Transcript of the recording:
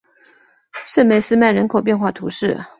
圣梅斯曼人口变化图示